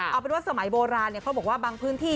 เอาเป็นว่าสมัยโบราณเขาบอกว่าบางพื้นที่